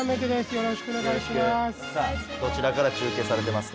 よろしくお願いします。